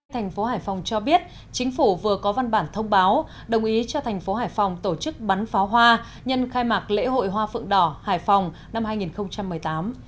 thành phố hải phòng cho biết chính phủ vừa có văn bản thông báo đồng ý cho thành phố hải phòng tổ chức bắn pháo hoa nhân khai mạc lễ hội hoa phượng đỏ hải phòng năm hai nghìn một mươi tám